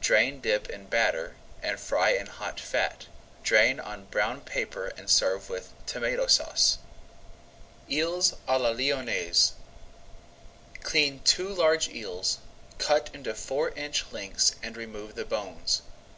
Drain dip in batter, and fry in hot fat. Drain on brown paper and serve with Tomato Sauce. EELS À LA LYONNAISE Clean two large eels, cut into four inch lengths and remove the bones.